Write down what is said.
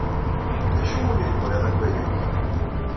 D acu umi tebɣiḍ akk aya?